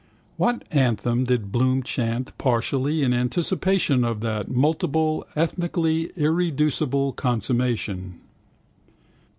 What anthem did Bloom chant partially in anticipation of that multiple, ethnically irreducible consummation?